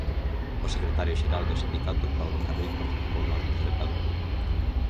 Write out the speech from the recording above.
O secretario xeral do sindicato, Paulo Carril, participou no acto celebrado en Lugo.